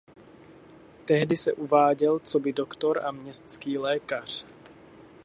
Tehdy se uváděl coby doktor a městský lékař.